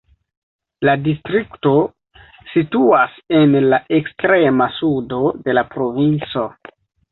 La distrikto situas en la ekstrema sudo de la provinco.